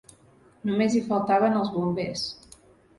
Només hi faltaven els bombers.